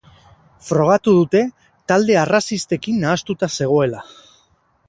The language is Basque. Frogatu dute talde arrazistekin nahastuta zegoela.